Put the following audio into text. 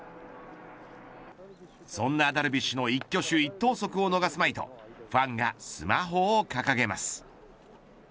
そんなダルビッシュの一挙手一投足を逃すまいとファンがスマホを掲げます。